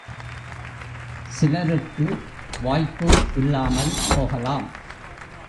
சிலருக்கு வாய்ப்பு இல்லாமல் போகலாம்.